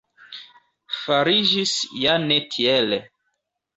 Fariĝis ja ne tiel.